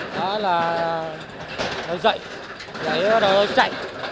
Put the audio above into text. đó là dậy dậy rồi chạy